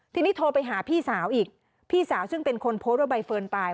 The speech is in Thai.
ทีนี้โทรไปหาพี่สาวอีกพี่สาวซึ่งเป็นคนโพสต์ว่าใบเฟิร์นตาย